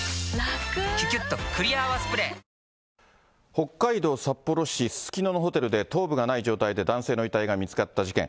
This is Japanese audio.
北海道札幌市すすきののホテルで頭部がない状態で男性の遺体が見つかった事件。